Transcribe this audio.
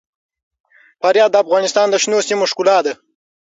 فاریاب د افغانستان د شنو سیمو ښکلا ده.